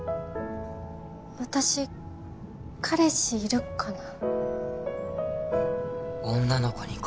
私彼氏いるかな？